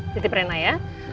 titip reina ya